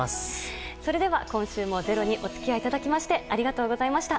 今週も「ｚｅｒｏ」にお付き合いいただきましてありがとうございました。